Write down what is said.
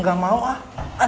gak mau ah